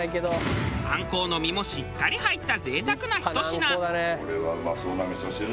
あんこうの身もしっかり入った贅沢なひと品。